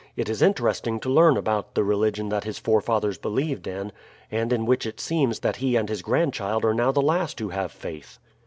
It is interesting to learn about the religion that his forefathers believed in, and in which it seems that he and his grandchild are now the last who have faith."